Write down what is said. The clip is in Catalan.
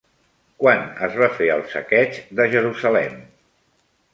Quan es va fer el saqueig de Jerusalem?